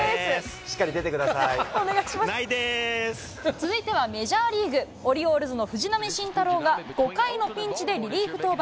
続いてはメジャーリーグ・オリオールズの藤浪晋太郎が、５回のピンチでリリーフ登板。